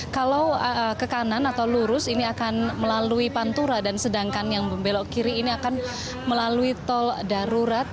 kalau ke kanan atau lurus ini akan melalui pantura dan sedangkan yang membelok kiri ini akan melalui tol darurat